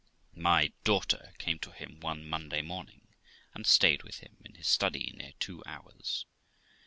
My daughter came to him one Monday morning, and stayed with him in his study near two hours.